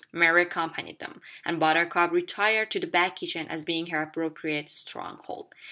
Mary accompanied them, and Buttercup retired to the back kitchen as being her appropriate stronghold.